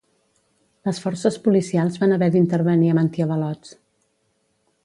Les forces policials van haver d'intervenir amb antiavalots.